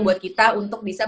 buat kita untuk memperbaiki